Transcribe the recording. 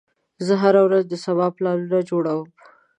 زه هره ورځ د سبا پلانونه جوړوم.